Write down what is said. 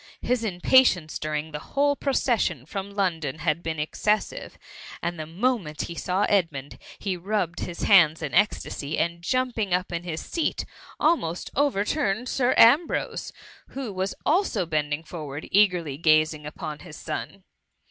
His impatience during the whole procession from London had been excessive; and the moment he saw Edmund, he rubbed his hands in ecstasy, and jumping up in his seat almost overturned Sir Ambrose, who was also bending forward eagerly gazing upon his son.